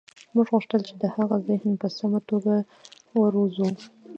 موږ غوښتل چې د هغه ذهن په سمه توګه وروزو